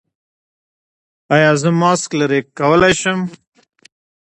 ایا زه ماسک لرې کولی شم؟